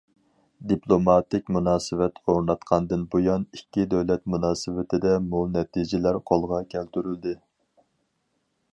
دىپلوماتىك مۇناسىۋەت ئورناتقاندىن بۇيان، ئىككى دۆلەت مۇناسىۋىتىدە مول نەتىجىلەر قولغا كەلتۈرۈلدى.